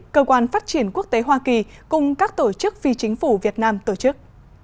cơ quan phát triển quốc tế hoa kỳ cùng các tổ chức phi chính phủ việt nam tổ chức